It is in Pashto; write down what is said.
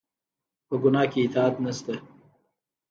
په ګناه کې اطاعت نشته